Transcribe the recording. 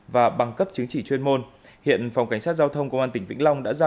và bằng cấp chứng chỉ chuyên môn hiện phòng cảnh sát giao thông công an tỉnh vĩnh long đã giao